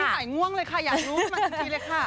ไหนง่วงเลยค่ะอยากรู้มาจนทีเลยค่ะ